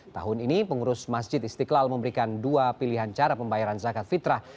tahun ini pengurus masjid istiqlal memberikan dua pilihan cara pembayaran zakat fitrah